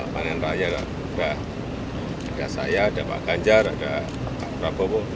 panen raya sudah ada saya ada pak ganjar ada pak prabowo